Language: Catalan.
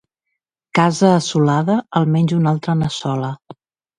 Casa assolada, almenys una altra n'assola.